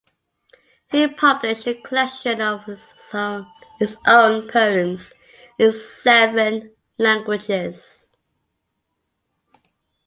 He published a collection of his own poems in seven languages.